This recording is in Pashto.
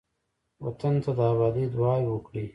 وطن ته د آبادۍ دعاوې وکړئ.